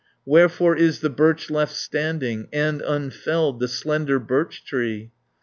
"Wherefore is the birch left standing, And unfelled the slender birch tree?"